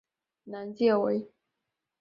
南界为。